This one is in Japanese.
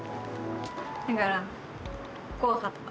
だから、怖かった。